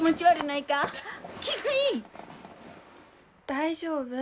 大丈夫。